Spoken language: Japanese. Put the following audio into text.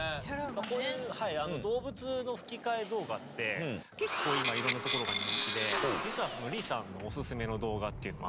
こういう動物の吹き替え動画って結構今色んなところが人気で実は李さんのオススメの動画っていうのがあって。